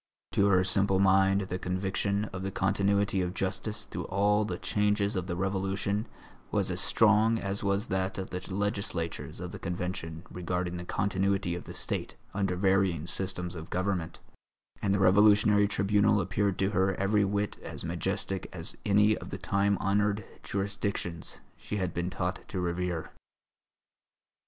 To her simple mind the conviction of the continuity of justice through all the changes of the Revolution was as strong as was that of the legislators of the Convention regarding the continuity of the State under varying systems of government, and the Revolutionary Tribunal appeared to her every whit as majestic as any of the time honoured jurisdictions she had been taught to revere.